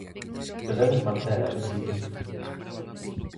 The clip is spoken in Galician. "Debemos mantela", incide.